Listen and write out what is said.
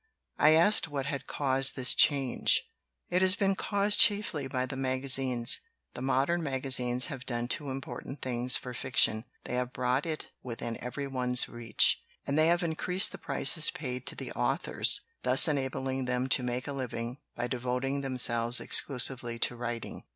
I asked what had caused this change. "It has been caused chiefly by the magazines. The modern magazines have done two important things for fiction they have brought it within every one's reach, and they have increased the prices paid to the authors, thus enabling them to make a living by devoting themselves exclusively to writing."